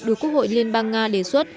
đối với quốc hội liên bang nga đề xuất